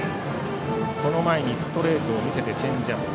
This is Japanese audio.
その前にストレートを見せてチェンジアップ。